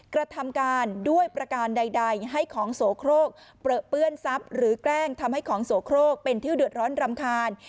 กระทำการด้วยประการใดให้ของโสโครกเปลือเปื้อนทรัพย์หรือแกล้งทำให้ของโสโครกเป็นที่เดือดร้อนรำคาญ